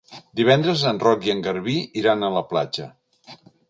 Divendres en Roc i en Garbí iran a la platja.